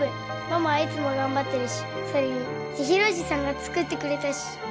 ママはいつも頑張ってるしそれに千尋叔父さんが作ってくれたし！